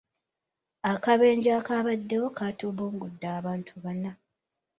Akabenje akabaddewo katugumbudde abantu bana.